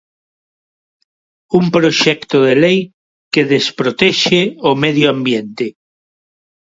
Un proxecto de lei que desprotexe o medio ambiente.